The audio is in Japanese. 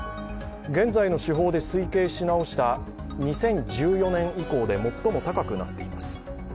現在の手法で推計し直した２０１４年以降で最も高くなっています。